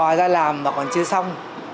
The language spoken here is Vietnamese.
họ ra làm mà còn chưa xong